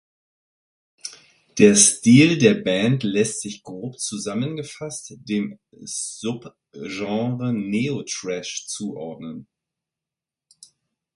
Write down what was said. Der Stil der Band lässt sich grob zusammengefasst dem Sub-Genre Neo-Thrash zuordnen.